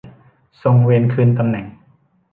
ทรงเวนคืนตำแหน่ง